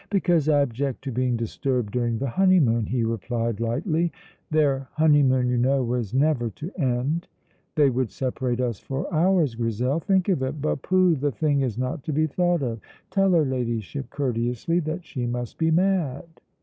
"Because I object to being disturbed during the honeymoon," he replied lightly. Their honeymoon, you know, was never to end. "They would separate us for hours, Grizel. Think of it! But, pooh! the thing is not to be thought of. Tell her Ladyship courteously that she must be mad."